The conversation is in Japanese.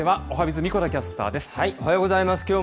おはようございます。